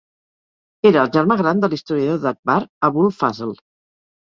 Era el germà gran de l'historiador d'Akbar, Abul Fazl.